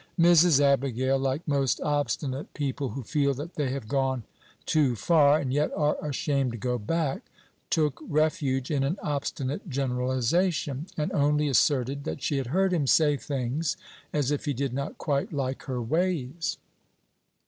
Mrs. Abigail, like most obstinate people, who feel that they have gone too far, and yet are ashamed to go back, took refuge in an obstinate generalization, and only asserted that she had heard him say things, as if he did not quite like her ways.